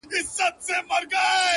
زما او ستا په جدايۍ خوشحاله _